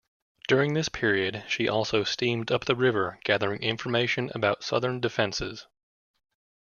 During this period, she also steamed up the river gathering information about Southern defenses.